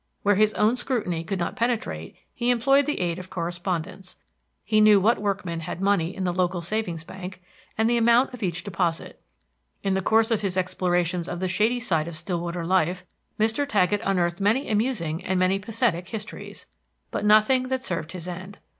Where his own scrutiny could not penetrate, he employed the aid of correspondents. He knew what workmen had money in the local savings bank, and the amount of each deposit. In the course of his explorations of the shady side of Stillwater life, Mr. Taggett unearthed many amusing and many pathetic histories, but nothing that served his end.